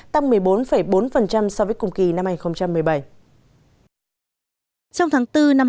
tăng một mươi bốn bốn so với cùng kỳ năm hai nghìn một mươi bảy